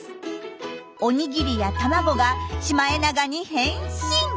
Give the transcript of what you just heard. お握りや卵がシマエナガに変身！